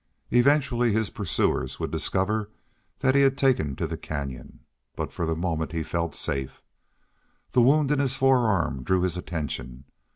Eventually his pursuers would discover that he had taken to the canyon. But for the moment he felt safe. The wound in his forearm drew his attention.